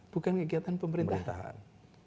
bukan kegiatan pemerintahan